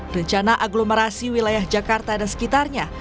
rencana aglomerasi wilayah jakarta dan sekitarnya